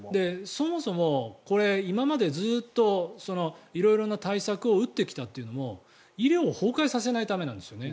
そもそも今までずっと色んな対策を打ってきたというのも医療を崩壊させないためなんですよね。